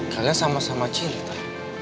kalian sama sama cinta